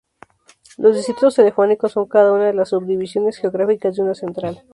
Los distritos telefónicos son cada una de las subdivisiones geográficas de una central.